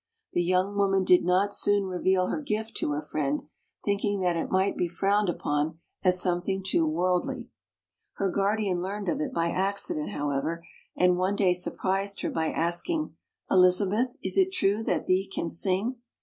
The young woman did not soon reveal her gift to her friend, thinking that it might be frowned upon as something too worldly. Her guardian learned of it by accident, however, and one day surprised her by asking, "Elizabeth, is it true that thee can sing?"